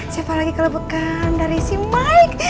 siapa lagi kalau bekan dari si mike